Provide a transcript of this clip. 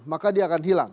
maka dia akan hilang